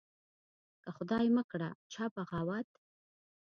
که خدای مکړه چا بغاوت